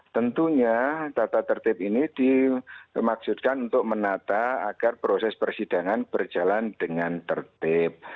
tentunya tata tertib ini dimaksudkan untuk menata agar proses persidangan berjalan dengan tertib